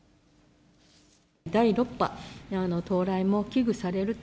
第６波の到来も危惧されると。